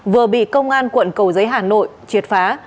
vừa bị công an quận cầu giấy hà nội triệt phá